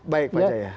baik pak jaya